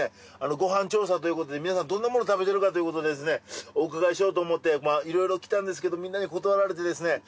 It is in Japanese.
ご飯調査ということで皆さんどんなもの食べてるかということでお伺いしようと思っていろいろ来たんですけどみんなに断られてですね